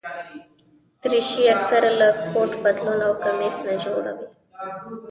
دریشي اکثره له کوټ، پتلون او کمیس نه جوړه وي.